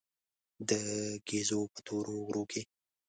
د ګېزو په تورو غرو کې.